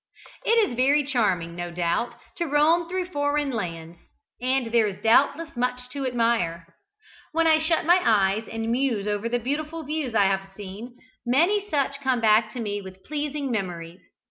It is very charming, no doubt, to roam through foreign lands, and there is doubtless much to admire. When I shut my eyes and muse over beautiful views that I have seen, many such come back to me with pleasing memories.